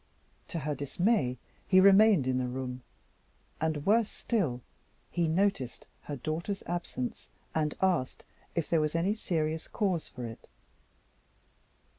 To her dismay he remained in the room; and, worse still, he noticed her daughter's absence, and asked if there was any serious cause for it.